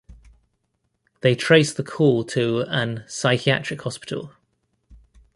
They trace the call to an psychiatric hospital.